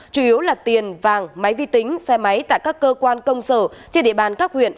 chủ yếu là tiền vàng máy vi tính xe máy tại các cơ quan công sở trên địa bàn các huyện